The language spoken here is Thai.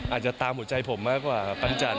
อาจจะตามหัวใจผมมากกว่าครับปันจันท